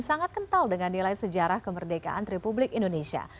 sangat kental dengan nilai sejarah kemerdekaan republik indonesia